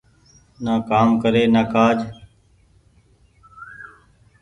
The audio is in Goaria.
نآ ڪآم ڪري نآ ڪآج۔